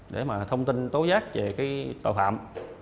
để mà thông tin tố giác về cái tội phạm